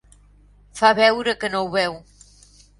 Fa veure que no ho veu.